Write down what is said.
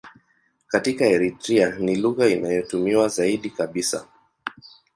Katika Eritrea ni lugha inayotumiwa zaidi kabisa.